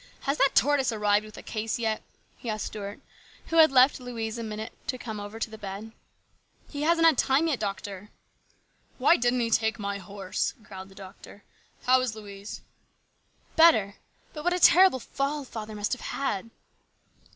Has that tortoise arrived with that case yet ?" he asked Stuart, who had left Louise a minute to come over to the bed. " He hasn't had time yet, doctor." " Why didn't he take my horse ?" growled the doctor. " How is Louise ?"" Better. But what a terrible fall father must have had